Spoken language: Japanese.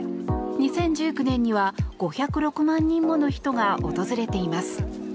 ２０１９年には５０６万人もの人が訪れています。